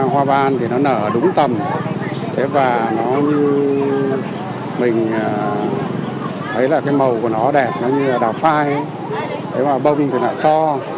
hoa ban thì nó nở đúng tầm thế và nó như mình thấy là cái màu của nó đẹp nó như là đào phai thế mà bông thì lại to